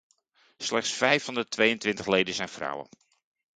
Slechts vijf van de tweeëntwintig leden zijn vrouwen!